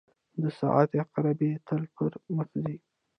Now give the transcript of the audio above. • د ساعت عقربې تل پر مخ ځي.